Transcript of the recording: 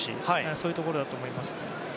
そういうところだと思います。